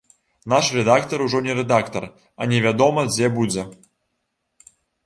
Наш рэдактар ужо не рэдактар, а невядома дзе будзе.